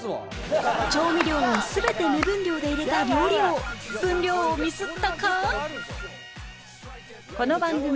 調味料を全て目分量で入れた料理王分量をミスったか？